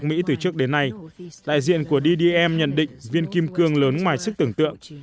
trong lịch sử bắc mỹ từ trước đến nay đại diện của ddm nhận định viên kim cương lớn ngoài sức tưởng tượng